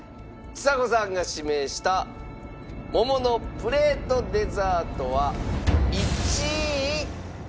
ちさ子さんが指名した桃のプレートデザートは１位。